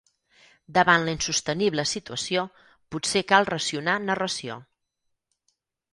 Davant la insostenible situació, potser cal racionar narració.